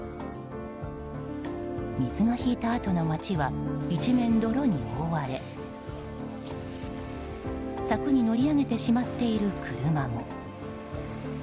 水が引いたあとの街は一面泥に覆われ柵に乗り上げてしまっている車も。